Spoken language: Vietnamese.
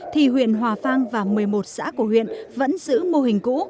thì huyện hòa vang và một mươi một xã của huyện vẫn giữ mô hình cũ